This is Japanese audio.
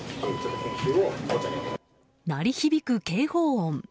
鳴り響く警報音。